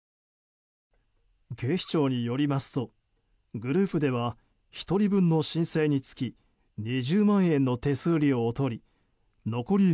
警視庁によりますとグループでは１人分の申請につき２０万円の手数料を取り残り